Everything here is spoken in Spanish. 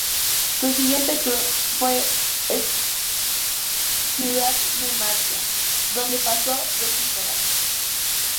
Su siguiente club fue el Ciudad de Murcia, donde pasó dos temporadas.